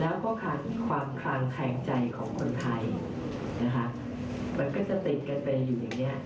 แล้วก็คำความคลางแข็งใจของคนไทยมันก็จะติดกันไปอยู่อย่างนี้